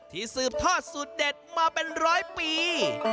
ที่สืบทอดสุดเด็ดมาเป็นร้อยปี